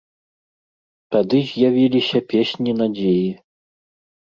Тады з'явіліся песні надзеі.